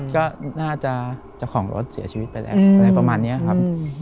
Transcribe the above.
ก็น่าจะของรถเสียชีวิตไปแหละแประมาณนี้ครับ